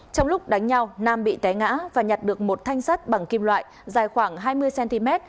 trong lúc đánh nhau nam bị té ngã và nhặt được một thanh sắt bằng kim loại dài khoảng hai mươi cm